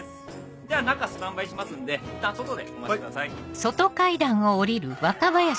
じゃあ中スタンバイしますんでいったん外でお待ちください。